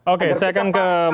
oke saya akan kemaskapan ini